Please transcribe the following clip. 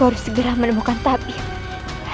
aku harus segera menemukan tabib